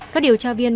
các điều tra viên